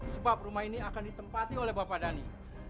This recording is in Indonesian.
sebab rumah ini akan ditempati oleh bapak dhani